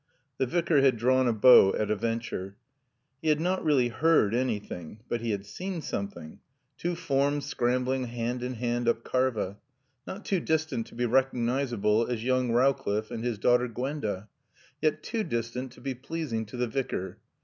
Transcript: The Vicar had drawn a bow at a venture. He had not really heard anything, but he had seen something; two forms scrambling hand in hand up Karva; not too distant to be recognisable as young Rowcliffe and his daughter Gwenda, yet too distant to be pleasing to the Vicar.